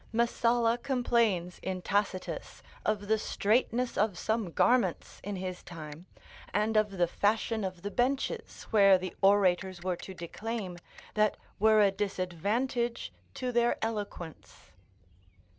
Messalla complains in Tacitus of the straitness of some garments in his time, and of the fashion of the benches where the orators were to declaim, that were a disadvantage to their eloquence.